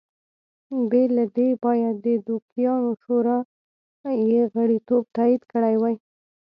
بې له دې باید د دوکیانو شورا یې غړیتوب تایید کړی وای